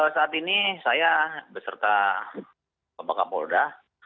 saat ini saya beserta bapak kabupaten polda